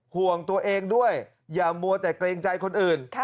ห่วงตัวเองด้วยอย่ามัวแต่เกรงใจคนอื่น